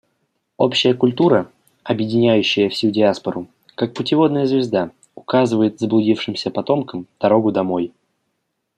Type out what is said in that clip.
Общая культура, объединяющая всю диаспору, как путеводная звезда, указывает заблудившимся потомкам дорогу домой.